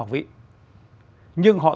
học vị nhưng họ